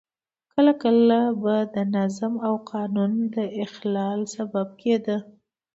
کله کله به د نظم او قانون د اخلال سبب کېده.